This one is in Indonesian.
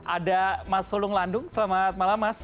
ada mas sulung landung selamat malam mas